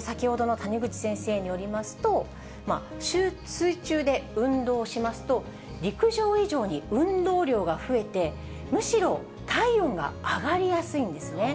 先ほどの谷口先生によりますと、水中で運動しますと、陸上以上に運動量が増えて、むしろ体温が上がりやすいんですね。